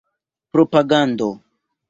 propagando